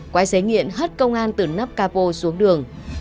quay xế nghiện hất công an từ nắp capo xuống đường